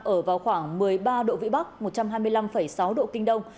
ở vào khoảng một mươi ba độ vĩ bắc một trăm hai mươi năm sáu độ kinh đông